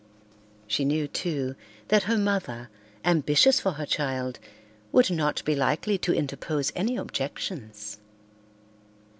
She knew, too, that her mother, ambitious for her child, would not be likely to interpose any objections.